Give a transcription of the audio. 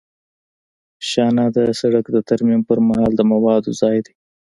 شانه د سرک د ترمیم پر مهال د موادو ځای دی